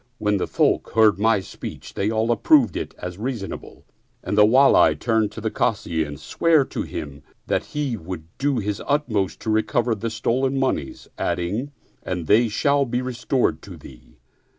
When the folk heard my speech they all approved it as reasonable and the Wali turned to the Kazi and sware to him that he would do his utmost to recover the stolen moneys adding, " And they shall be restored to thee."